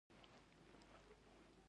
هغه کلينيک والا.